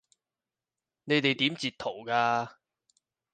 你哋點截圖㗎？